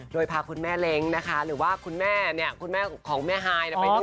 โดยพาคุณแม่เล้งนะคะหรือว่าคุณแม่เนี่ยคุณแม่ของแม่ฮายไปด้วย